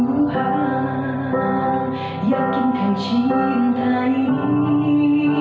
oh yakin kan cinta ini